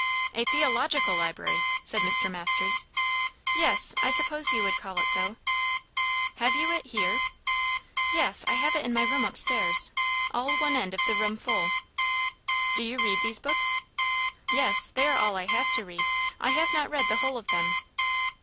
"A theological library!" said Mr. Masters. "Yes. I suppose you would call it so." "Have you it here?" "Yes. I have it in my room up stairs. All one end of the room full." "Do you read these books?" "Yes. They are all I have to read. I have not read the whole of them."